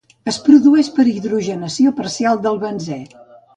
Es produeix per la hidrogenació parcial del benzè.